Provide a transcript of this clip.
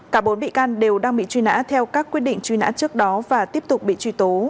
cả bốn bị can đều đang bị truy nã theo các quyết định truy nã trước đó và tiếp tục bị truy tố